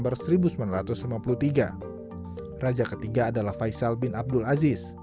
raja ketiga adalah faisal bin abdul aziz